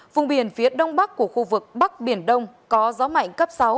vùng biển phía đông bắc của khu vực bắc biển đông có gió mạnh cấp sáu